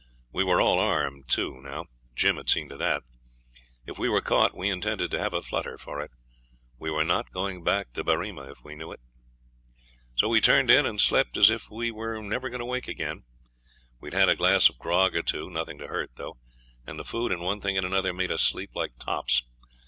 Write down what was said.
We were all armed, too, now. Jim had seen to that. If we were caught, we intended to have a flutter for it. We were not going back to Berrima if we knew it. So we turned in, and slept as if we were never going to wake again. We'd had a glass of grog or two, nothing to hurt, though; and the food and one thing and another made us sleep like tops.